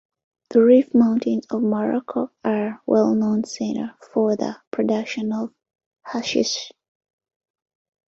The Rif Mountains of Morocco are a well-known center for the production of hashish.